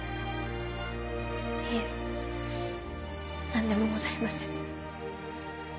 いえ何でもございません。